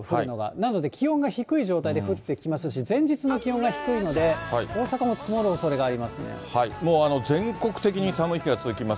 なので、気温が低い状態で降ってきますし、前日の気温が低いので、大阪も積もう全国的に寒い日が続きます。